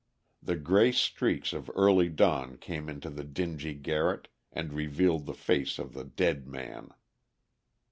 The gray streaks of early dawn came into the dingy garret, and revealed the face of the dead man.